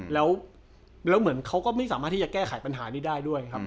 แล้วเหมือนเขาก็ไม่สามารถที่จะแก้ไขปัญหานี้ได้ด้วยครับ